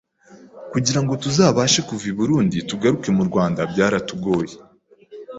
Kugira ngo tuzabashe kuva i Burundi tugaruke mu Rwanda byaratugoye